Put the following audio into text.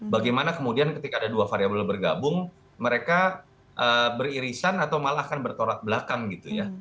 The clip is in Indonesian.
bagaimana kemudian ketika ada dua variable bergabung mereka beririsan atau malah akan bertolak belakang gitu ya